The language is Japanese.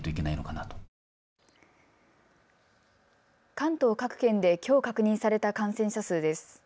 関東各県できょう確認された感染者数です。